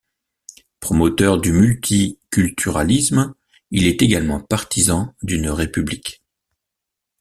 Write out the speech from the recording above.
Promoteur du multiculturalisme, il est également partisan d'une république.